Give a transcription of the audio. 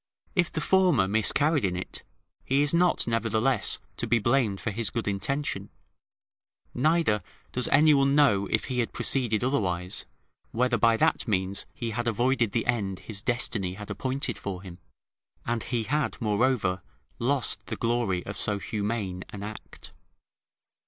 If the former [The Duc de Guise.] miscarried in it, he is not, nevertheless, to be blamed for his good intention; neither does any one know if he had proceeded otherwise, whether by that means he had avoided the end his destiny had appointed for him; and he had, moreover, lost the glory of so humane an act.